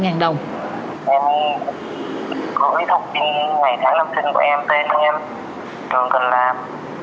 em gửi thông tin ngày tháng năm sinh của em tên của em trường cần làm